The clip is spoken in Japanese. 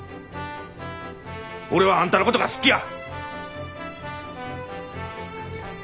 俺はあんたのことが好っきや。